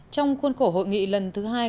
trong khuôn khổ hội nghị lần thứ hai